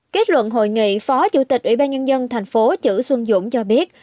kết luận hội nghị phó chủ tịch ủy ban nhân dân thành phố chử xuân dũng cho biết